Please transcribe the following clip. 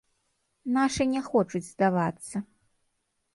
Нашы не хочуць здавацца.